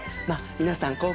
まあ皆さん